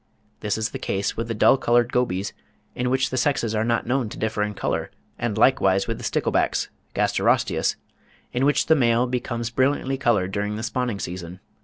This is the case with the dull coloured gobies (36. Cuvier, 'Regne Animal,' vol. ii. 1829, p. 242.), in which the sexes are not known to differ in colour, and likewise with the sticklebacks (Gasterosteus), in which the males become brilliantly coloured during the spawning season.